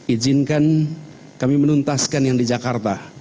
izinkan kami menuntaskan yang di jakarta